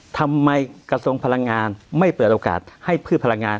ทำไมกระทรวงพลังงานไม่เปิดโอกาสให้พืชพลังงาน